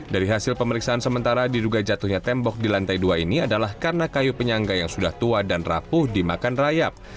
dari hasil pemeriksaan sementara diduga jatuhnya tembok di lantai dua ini adalah karena kayu penyangga yang sudah tua dan rapuh dimakan rayap